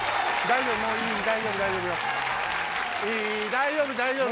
大丈夫よ！